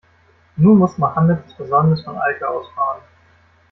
Nun muss Mohammed das Versäumnis von Alke ausbaden.